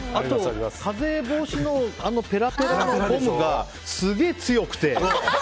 風防止のペラペラのゴムがすごい強くて。